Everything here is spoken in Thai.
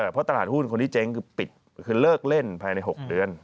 เพราะตลาดหุ้นคนที่เจ๊งคือปิดคือเลิกเล่นภายใน๖เดือน